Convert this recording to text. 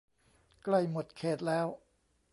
ใกล้หมดเขตแล้ว !